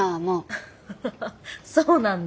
ハハハそうなんだ。